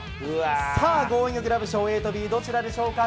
さあ、ゴーインググラブ賞、ＡとＢ、どちらでしょうか。